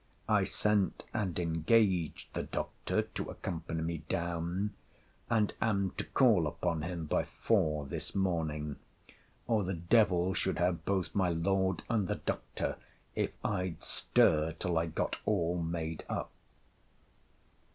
I sent and engaged the doctor to accompany me down: and am to call upon him by four this morning: or the devil should have both my Lord and the Doctor, if I'd stir till I got all made up.